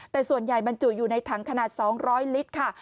แต่ส่วนใหญ่บรรจุอยู่ในถังขนาด๒๐๐ลิตรค่ะ